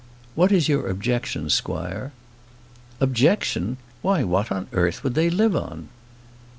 "What is your objection, squire?" "Objection! Why, what on earth would they live on?"